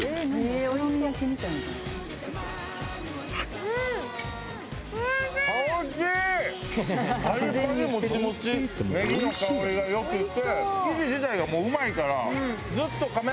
ネギの香りが良くて生地自体がもううまいから。